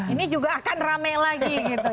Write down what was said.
ini juga akan rame lagi gitu